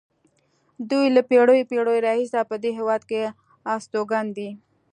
دوی له پېړیو پېړیو راهیسې په دې هېواد کې استوګن دي.